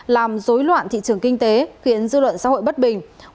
làm dối loạn thị trường kinh tế khiến dư luận xã hội bất bình